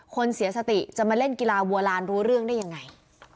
คนเสียสติจะมาเล่นกีฬาวัวลานรู้เรื่องได้ยังไง